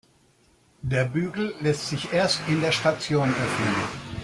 Der Bügel lässt sich erst in der Station öffnen.